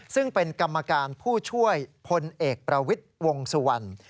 ซึ่งเป็นกรรมการผู้ช่วยพลเอกประวิทย์วงสุวรรณ